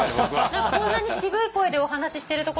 こんなに渋い声でお話ししてるところ